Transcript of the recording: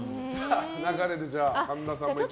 流れで、神田さんもいきますか。